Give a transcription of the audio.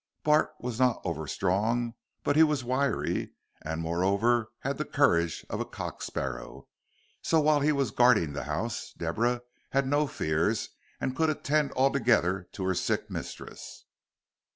Bart was not over strong, but he was wiry, and, moreover, had the courage of a cock sparrow, so while he was guarding the house Deborah had no fears, and could attend altogether to her sick mistress.